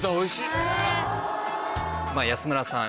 安村さん